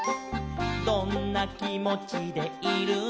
「どんなきもちでいるのかな」